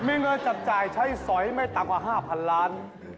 มีเงินจับจ่ายใช้สอยไม่ต่ำกว่า๕๐๐๐ล้าน